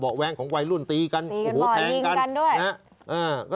เบาะแว้งของวัยรุ่นตีกันตีกันเบาะยิงกันด้วย